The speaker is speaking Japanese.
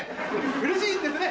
うれしいんですね！